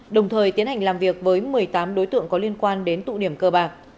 đồng thời tiến hành làm việc với một mươi tám đối tượng có liên quan đến tụ điểm cơ bạc